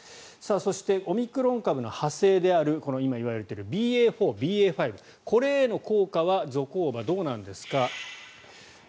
そしてオミクロン株の派生である今言われているＢＡ．４、ＢＡ．５これへの効果はゾコーバはどうなんですか。